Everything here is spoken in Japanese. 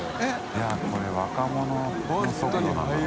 いやこれ若者の速度なんだろうな。